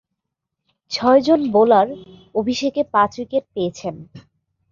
ছয়জন বোলার অভিষেকে পাঁচ উইকেট পেয়েছেন।